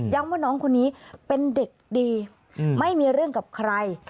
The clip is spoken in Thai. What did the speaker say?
ว่าน้องคนนี้เป็นเด็กดีไม่มีเรื่องกับใคร